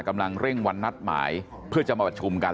กำลังเร่งวันนัดหมายเพื่อจะมาประชุมกัน